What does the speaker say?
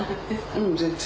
ううん全然。